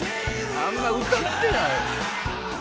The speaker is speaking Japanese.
あんま歌ってない。